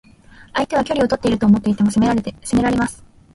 相手は距離をとっていると思っていても攻められます。